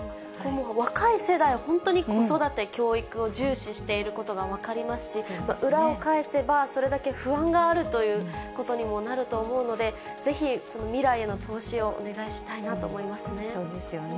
若い世代、本当に子育て・教育を重視していることが分かりますし、裏を返せば、それだけ不安があるということにもなると思うので、ぜひ未来への投資をお願いしたいなと思いますね。